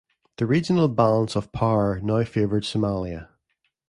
The regional balance of power now favoured Somalia.